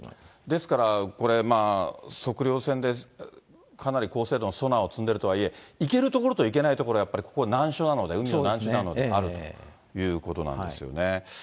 ですから、これ、測量船でかなり高精度のソナーを積んでるとはいえ、行ける所と行けない所、やっぱりここ難所なので、海の難所なので、あるということなんですよね。